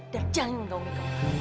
dan jangan menggaungi kamu